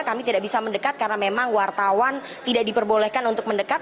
kami tidak bisa mendekat karena memang wartawan tidak diperbolehkan untuk mendekat